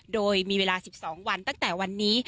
โดยมีเวลา๑๒วันตั้งแต่วันนี้